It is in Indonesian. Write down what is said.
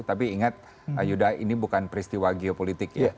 tapi ingat yuda ini bukan peristiwa geopolitik ya